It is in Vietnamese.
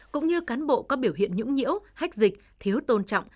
cũng như cán bộ có biểu hiện nhũng nhiễu hách dịch thiếu tôn trọng